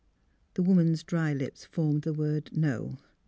" The woman's dry lips formed the word No.